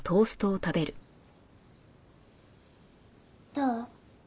どう？